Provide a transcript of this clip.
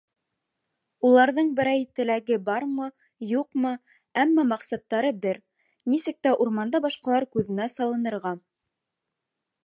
Уларҙың берәй теләге бармы, юҡмы, әммә маҡсаттары бер: нисек тә урманда башҡалар күҙенә салынырға.